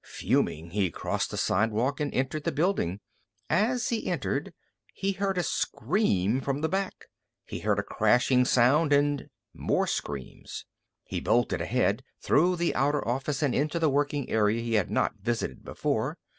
Fuming, he crossed the sidewalk and entered the building. As he entered, he heard a scream from the back. He heard a crashing sound and more screams. He bolted ahead, through the outer office and into the working area he had not visited before.